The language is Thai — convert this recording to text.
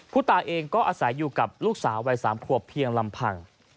ตาเองก็อาศัยอยู่กับลูกสาววัย๓ขวบเพียงลำพัง